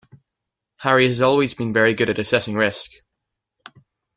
Harry has always been very good at assessing risk